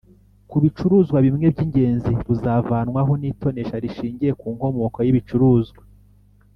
ku bicuruzwa bimwe by'ingenzi buzavanwaho n'itonesha rishingiye ku nkomoko y'ibicuruzwa